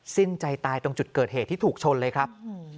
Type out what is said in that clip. สิ้นใจตายตรงจุดเกิดเหตุที่ถูกชนเลยครับ